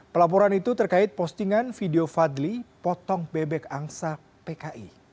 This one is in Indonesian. pelaporan itu terkait postingan video fadli potong bebek angsa pki